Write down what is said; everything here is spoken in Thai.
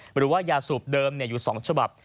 หรือว่ายาสูบเดิมอยู่๒ฉบับ